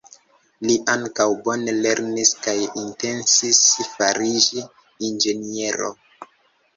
Li ankaŭ bone lernis kaj intencis fariĝi inĝeniero.